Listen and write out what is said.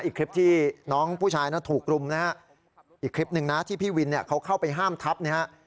อีกคลิปที่น้องผู้ชายถูกรุมนะฮะอีกคลิปหนึ่งนะที่พี่วินเนี่ยเขาเข้าไปห้ามทับเนี่ยฮะ